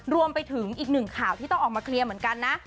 รวมไปถึงอีกหนึ่งข่าวที่ต้องออกมาเคลียร์เหมือนกันนะ